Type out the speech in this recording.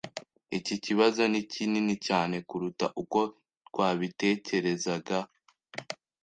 Iki kibazo ni kinini cyane kuruta uko twabitekerezaga.